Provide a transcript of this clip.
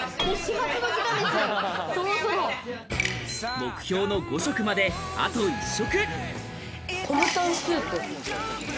目標の５食まであと１食。